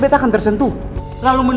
bela terus itu pacar